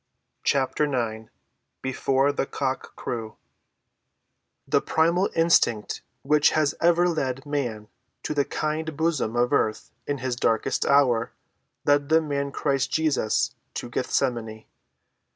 CHAPTER IX BEFORE THE COCK CREW The primal instinct which has ever led man to the kind bosom of earth in his darkest hour led the man Christ Jesus to Gethsemane.